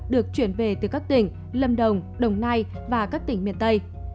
được chuyển về từ các tỉnh lâm đồng đồng nai và các tỉnh miền tây